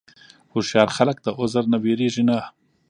هوښیار خلک د عذر نه وېرېږي نه.